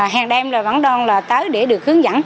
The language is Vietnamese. hèn đêm là vắng đoan là tới để được hướng dẫn